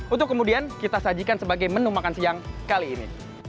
untuk kemudian kita sajikan sebagai menu makan siang kali ini